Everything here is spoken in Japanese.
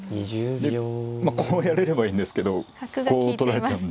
でまあこうやれればいいんですけどこう取られちゃう。